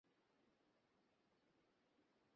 তোমাকে জোর করতে হলে সেটাও করবো আমি!